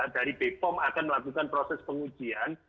dari bepom akan melakukan proses pengujian